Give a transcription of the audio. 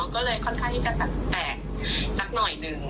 ก็เลยค่อนข้างที่จะแตกสักหน่อยหนึ่ง